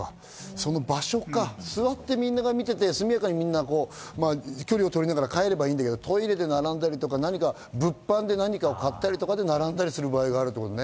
座ってみんなが見てて速やかにみんなが距離を取りながら帰ればいいんだけど、トイレに並んだりとか物販で何かを買ったりとかで並んだりする場合があるもんね。